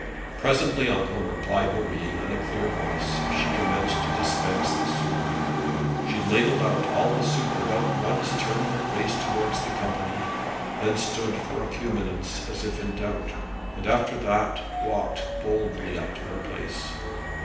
'Presently, uncle,' replied Marie, in a clear voice, as she commenced to dispense the soup. She ladled out all the soup without once turning her face towards the company, then stood for a few moments as if in doubt, and after that walked boldly up to her place.